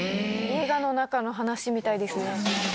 映画の中の話みたいですね。